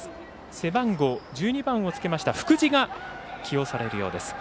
背番号１２番を着けました福地が起用されるようです。